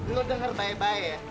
lo dengar bae bae ya